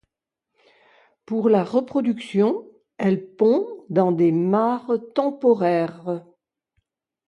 Pour la reproduction, elle pond dans des mares temporaires.